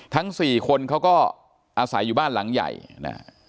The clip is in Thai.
ทั้งสี่คนเขาก็อาศัยอยู่บ้านหลังใหญ่นะฮะ